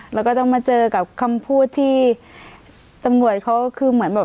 แล้วก็ต้องมาเจอกับคำพูดที่ตำรวจเขาคือเหมือนแบบ